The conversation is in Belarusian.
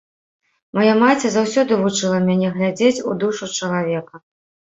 Мая маці заўсёды вучыла мяне глядзець у душу чалавека.